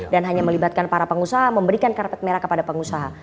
dan hanya melibatkan para pengusaha memberikan karpet merah kepada pengusaha